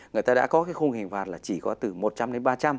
người ta đã có cái khung hình phạt là chỉ có từ một trăm linh đến ba trăm linh